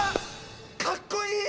かっこいい！